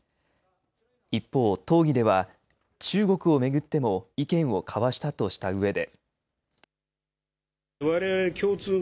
一方、討議では中国を巡っても意見を交わしたとしたうえで。